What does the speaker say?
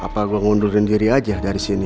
apa gue ngundurin diri aja dari sini